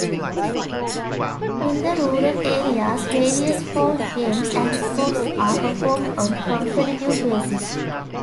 In the rural areas, various folk games and sports are performed on competitive basis.